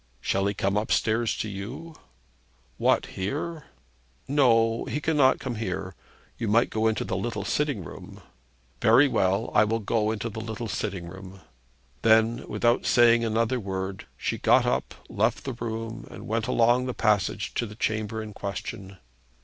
'Shall he come up stairs to you?' 'What, here?' 'No; he cannot come here. You might go into the little sitting room.' 'Very well. I will go into the little sitting room.' Then without saying another word she got up, left the room, and went along the passage to the chamber in question.